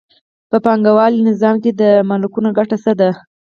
په پانګوالي نظام کې د مالکانو ګټه څه ده